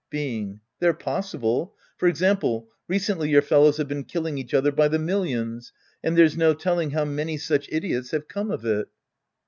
Being. They're possible. For example, recently your fellows have been killing each other by the millions^and there's no telling how many such idiots have come of jt.